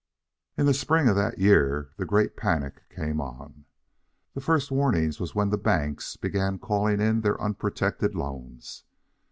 In the spring of the year the Great Panic came on. The first warning was when the banks began calling in their unprotected loans.